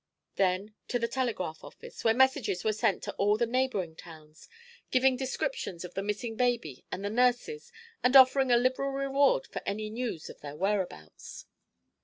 Then to the telegraph office, where messages were sent to all the neighboring towns, giving descriptions of the missing baby and the nurses and offering a liberal reward for any news of their whereabouts.